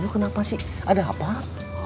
kenapa sih ada apa